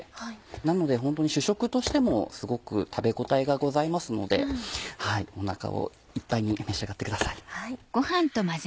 なのでホントに主食としてもすごく食べ応えがございますのでお腹いっぱいに召し上がってください。